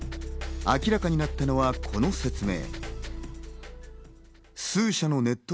明らかになったのは、この説明。